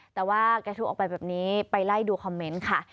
แต่ว่ากระทู้ออกไปแบบนี้ไปไล่ดูคอมเมนต์ค่ะ